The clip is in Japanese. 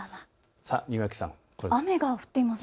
庭木さん、雨が降っています。